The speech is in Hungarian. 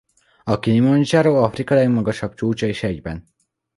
A Kilimandzsáró Afrika legmagasabb csúcsa is egyben.